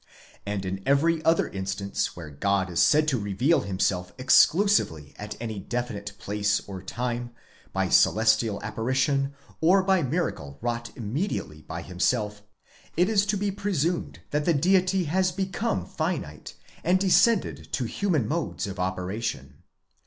And in every other instance where God is said to reveal himself exclusively at any definite place or time, by celestial apparition, or by miracle wrought immediately by himself, it is to be presumed that the Deity has. become finite and descended to human modes of. operation.